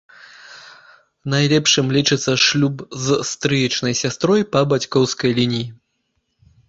Найлепшым лічыцца шлюб з стрыечнай сястрой па бацькоўскай лініі.